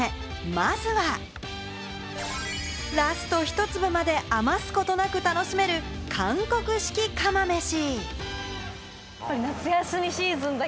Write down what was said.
まずは、ラストひと粒まで余すことなく楽しめる、韓国式釜飯。